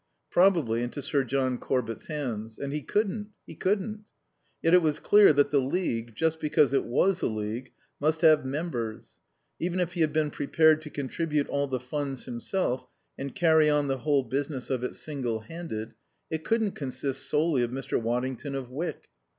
Probably into Sir John Corbett's hands. And he couldn't. He couldn't. Yet it was clear that the League, just because it was a League, must have members; even if he had been prepared to contribute all the funds himself and carry on the whole business of it single handed, it couldn't consist solely of Mr. Waddington of Wyck.